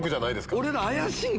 俺ら怪しいんか？